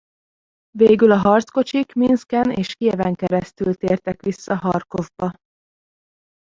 Végül a harckocsik Minszken és Kijeven keresztül tértek vissza Harkovba.